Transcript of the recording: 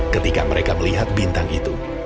ketika mereka melihat bintang itu